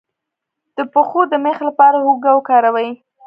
د پښو د میخ لپاره هوږه وکاروئ